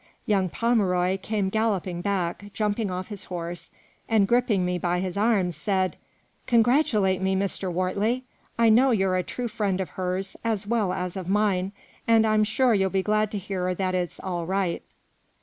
Young Pomeroy came galloping back, jumped off his horse, and, gripping me by the arm, said " Congratulate me, Mr. Wortley ! I know you're a true friend of hers, as well as of mine, and I'm sure you'll be glad to hear that it's all right."